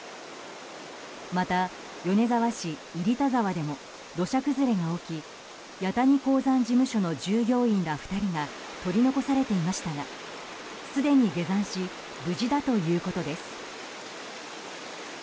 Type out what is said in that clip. また、米沢市入田沢でも土砂崩れが起き八谷鉱山事務所の従業員ら２人が取り残されていましたがすでに下山し無事だということです。